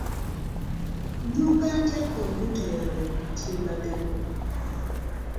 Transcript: Nnyunga ntya kompyuta yange ku mutimbagano?